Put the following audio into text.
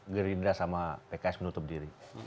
gerindra sama pks menutup diri